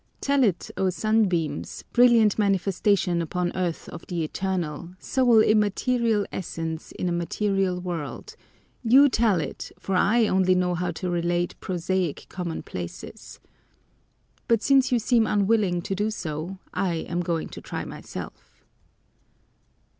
Tell it, O sunbeams, brilliant manifestation upon earth of the Eternal, sole immaterial essence in a material world, you tell it, for I only know how to relate prosaic commonplaces. But since you seem unwilling to do so, I am going to try myself.